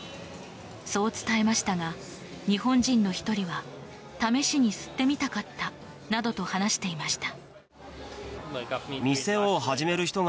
そう伝えましたが日本人の１人は試しに吸ってみたかったなどと話していました。